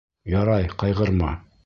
Ярай, ҡайғырма.